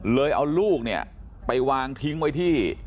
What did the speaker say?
เอาลูกเนี่ยไปวางทิ้งไว้ที่